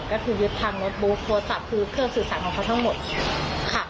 ก็คือยึดทางโน้ตบุ๊กโทรศัพท์คือเครื่องสื่อสารของเขาทั้งหมดค่ะ